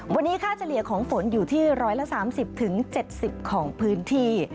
วันนี้ค่าเฉลี่ยของฝนอยู่ที่๑๓๐๗๐ของพื้นที่